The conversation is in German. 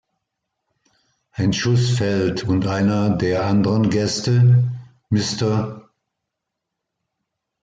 Ein Schuss fällt und einer der anderen Gäste, Mr.